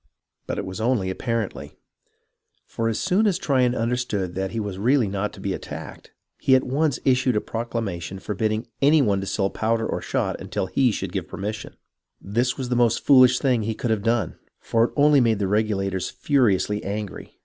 But it was only apparently, for as soon as Tryon understood that he was not really to be attacked, he at once issued a proclamation forbidding any one to sell powder or shot until he should give permission. This was the most foolish thing he could have done, for it only made the Regulators furiously angry.